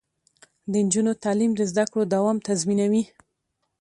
د نجونو تعلیم د زدکړو دوام تضمینوي.